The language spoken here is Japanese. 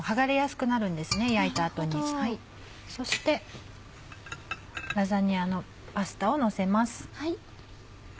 そしてラザニアのパスタをのせます。